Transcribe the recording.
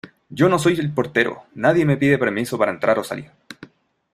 yo no soy el portero. nadie me pide permiso para entrar o salir .